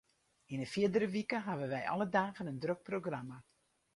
Yn 'e fierdere wike hawwe wy alle dagen in drok programma.